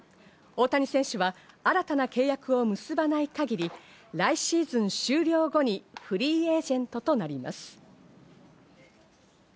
大谷選手は新たな契約を結ばない限り、来シーズン終了後にフリーエージェントとなります。